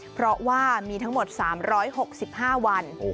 เพราะว่ามีทั้งหมด๓๖๕วัน